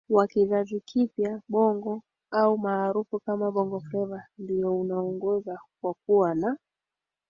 wa kizazi kipya Bongo au maarufu kama Bongo Fleva ndiyo unaoongoza kwa kuwa na